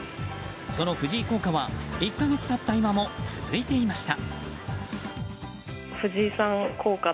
その藤井効果は１か月経った今も続いていました。